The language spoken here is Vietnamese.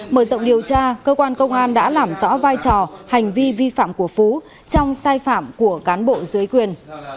mở rộng điều tra cơ quan công an đã làm rõ vai trò hành vi vi phạm của phú trong sai phạm của cán bộ dưới quyền